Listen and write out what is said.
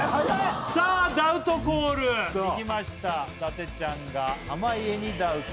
さあダウトコールいきました伊達ちゃんが濱家にダウト